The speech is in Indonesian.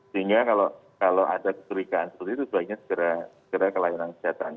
sehingga kalau ada kecurigaan seperti itu sebaiknya segera ke layanan kesehatan